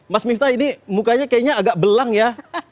mas miftah ini mukanya kayaknya agak belang ya